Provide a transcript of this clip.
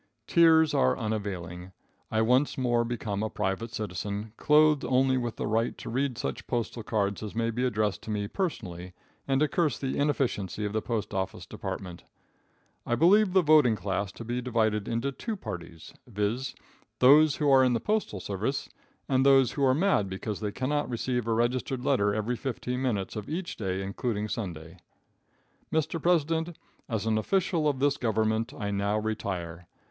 Tears are unavailing. I once more become a private citizen, clothed only with the right to read such postal cards as may be addressed to me personally, and to curse the inefficiency of the postoffice department. I believe the voting class to be divided into two parties, viz: Those who are in the postal service, and those who are mad because they cannot receive a registered letter every fifteen minutes of each day, including Sunday. Mr. President, as an official of this Government I now retire.